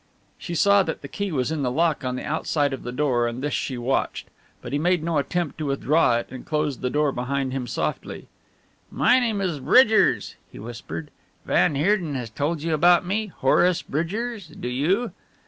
She saw that the key was in the lock on the outside of the door and this she watched. But he made no attempt to withdraw it and closed the door behind him softly. "My name is Bridgers," he whispered, "van Heerden has told you about me Horace Bridgers, do you